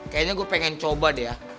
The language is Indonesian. kayaknya gue pengen coba deh ya